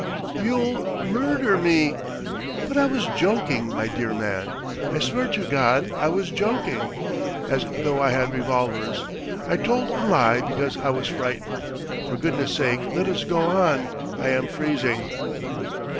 "You'll mu ur der me!" "But I was joking, my dear man! I swear to God I was joking! As though I had revolvers! I told a lie because I was frightened. For goodness sake let us go on, I am freezing!"